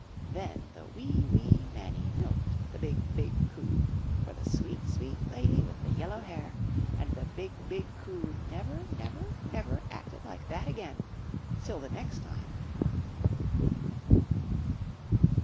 Then the wee, wee Mannie milked the BIG, BIG COO for the sweet, sweet lady with the yellow hair, and the BIG, BIG COO never, never, never acted like that again — till the next time